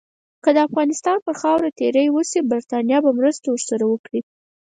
که د افغانستان پر خاوره تیری وشي، برټانیه به مرسته ورسره وکړي.